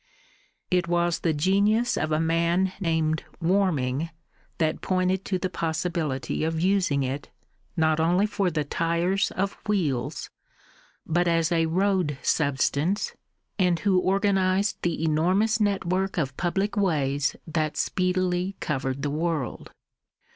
It was the genius of a man named Warming that pointed to the possibility of using it, not only for the tires of wheels, but as a road substance, and who organised the enormous network of public ways that speedily covered the world.